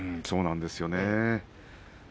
そうなんですよね。